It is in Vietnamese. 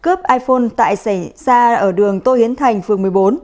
cướp iphone tại xảy ra ở đường tô hiến thành phường một mươi bốn